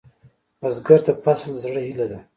بزګر ته فصل د زړۀ هيله ده